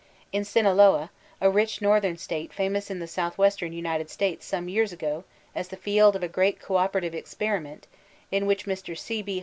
In Sinaloa, a rich northern state — fa mous in the southwestern United States some years ago as the field of a great co operative experiment in which Mr. C B.